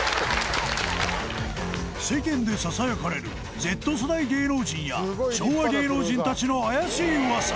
世間でささやかれる Ｚ 世代芸能人や昭和芸能人たちの怪しい噂